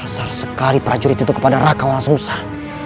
kasar sekali prajurit itu kepada raka walau susah